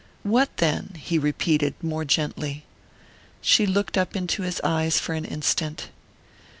"What then?" he repeated, more gently. She looked up into his eyes for an instant.